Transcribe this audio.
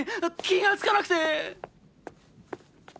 気が付かなくて。